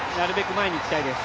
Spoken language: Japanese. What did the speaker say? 前に行きたいです。